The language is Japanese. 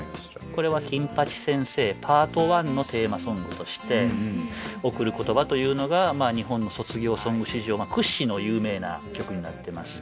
これは「金八先生」パート１のテーマソングとして「贈る言葉」というのが日本の卒業ソング史上屈指の有名な曲になってます。